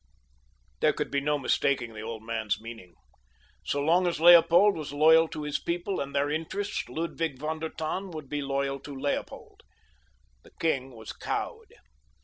There could be no mistaking the old man's meaning. So long as Leopold was loyal to his people and their interests Ludwig von der Tann would be loyal to Leopold. The king was cowed.